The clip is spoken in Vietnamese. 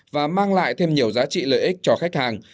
và mang lại thêm nhiều giá trị lợi ích cho khách hàng